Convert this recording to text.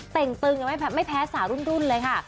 ่งตึงกันไม่แพ้สาวรุ่นเลยค่ะ